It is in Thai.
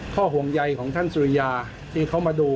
ห่วงใยของท่านสุริยาที่เขามาดู